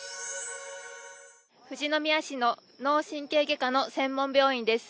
富士宮市の脳神経外科の専門病院です。